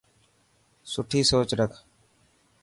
سٺي سوچ رک.